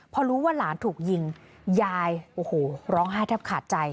พอรู้ว่าหลานถูกยิงยายโอ้โหร้องไห้แทบขาดใจ